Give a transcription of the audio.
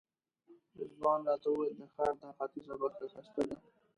رضوان راته وویل د ښار دا ختیځه برخه ښایسته ده.